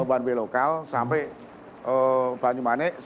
one way lokal sampai banyumanik